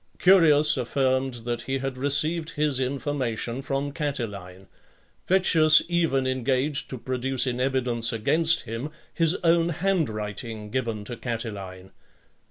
Curius affirmed that he had received his information from Catiline. Vettius even engaged to produce in evidence against him his own hand writing, given to Catiline.